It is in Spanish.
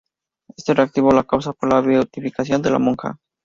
Esto reactivó la causa por la beatificación de la monja.